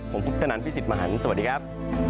ผมพุทธนันพี่สิทธิ์มหันฯสวัสดีครับ